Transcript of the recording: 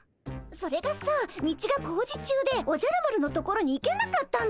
それがさ道が工事中でおじゃる丸の所に行けなかったんだよ。